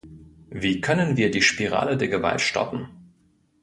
Wie können wir die Spirale der Gewalt stoppen?